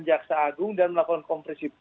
jaksa agung dan melakukan kompresi